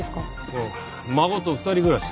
ああ孫と二人暮らしだ。